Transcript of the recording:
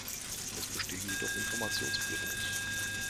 Es bestehen jedoch Informationsbüros.